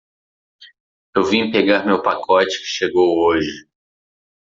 Eu vim pegar meu pacote que chegou hoje.